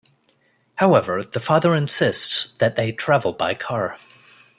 However, the father insists that they travel by car.